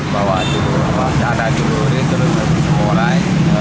bawa celur ada celur terus ke jalan igusti ngurah rai